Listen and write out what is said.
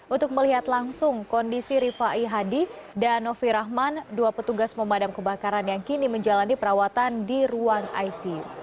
untuk melihat langsung kondisi rifai hadi dan novi rahman dua petugas pemadam kebakaran yang kini menjalani perawatan di ruang icu